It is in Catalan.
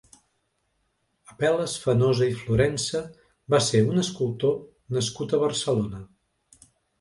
Apel·les Fenosa i Florensa va ser un escultor nascut a Barcelona.